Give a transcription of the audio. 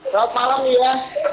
selamat malam iya